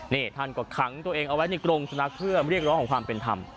นี่ท่านก็ขังตัวเองเอาไว้ในกรงสุนัขเพื่อเรียกร้องของความเป็นธรรม